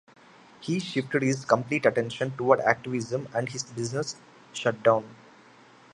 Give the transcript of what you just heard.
He shifted his complete attention toward activism and his business shut down.